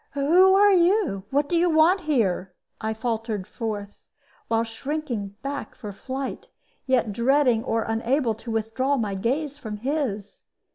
"Who are you? What do you want here?" I faltered forth, while shrinking back for flight, yet dreading or unable to withdraw my gaze from his.